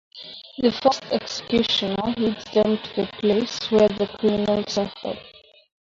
The first executioner leads them to the place where the criminal suffered.